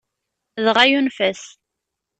Dɣa, yunef-as.